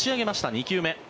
２球目。